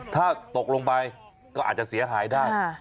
ถ้าตกลงไปก็อาจจะเสียหายได้